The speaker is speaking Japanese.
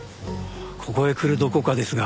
ここへ来るどこかですが